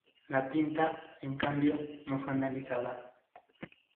La tinta, en cambio, no fue analizada.